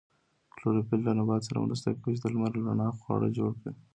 کلوروفیل له نبات سره مرسته کوي چې د لمر له رڼا خواړه جوړ کړي